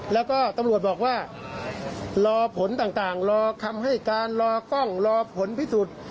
แล้วก็ตำรวจบอกว่ารอผลต่างรอคำให้การรอกล้องรอผลพิสูจน์